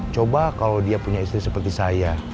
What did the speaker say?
coba kalau dia punya istri seperti saya